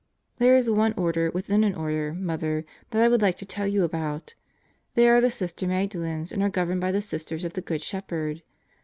There is one Order within an Order, Mother, that I would like to tell you about. They are called the Sister Magdalens and are gov erned by the Sisters of the Good Shepherd.